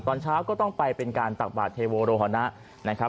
ตอนเช้าก็ต้องไปเป็นการตักบาทเทโวโรฮนะนะครับ